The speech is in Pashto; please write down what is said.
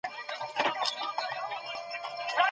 ډيپلوماتيکي خبري په منظم ډول پرمخ وړل کیږي.